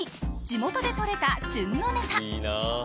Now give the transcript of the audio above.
地元で取れた旬のネタ